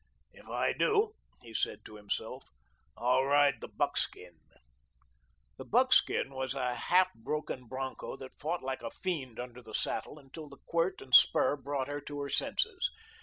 "If I do," he said to himself, "I'll ride the buckskin." The buckskin was a half broken broncho that fought like a fiend under the saddle until the quirt and spur brought her to her senses.